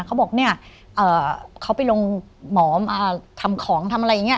เขาบอกเนี่ยเขาไปลงหมอมาทำของทำอะไรอย่างนี้